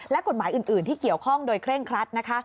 และกฎหมายอื่นที่เกี่ยวข้องโดยเคร่งครัดนะคะ